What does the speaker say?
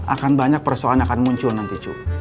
akan banyak persoalan yang akan muncul nanti cu